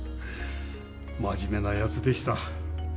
真面目なやつでした。